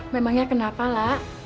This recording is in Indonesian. memangnya kenapa la